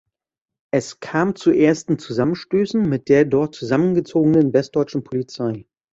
Es kam zu ersten Zusammenstößen mit der dort zusammengezogenen westdeutschen Polizei.